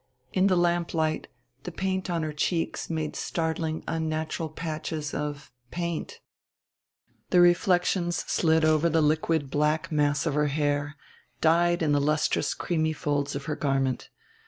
In the lamplight the paint on her cheeks made startling unnatural patches of paint. The reflections slid over the liquid black mass of her hair, died in the lustrous creamy folds of her garment.